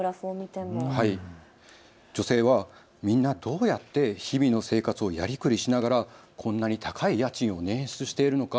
女性はみんなどうやって日々の生活をやりくりしながらこんなに高い家賃を捻出しているのか